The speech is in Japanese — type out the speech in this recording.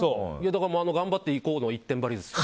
だから頑張っていこうの一点張りですよ。